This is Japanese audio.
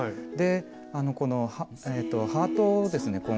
でこのハートをですね